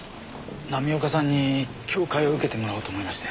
浪岡さんに教誨を受けてもらおうと思いまして。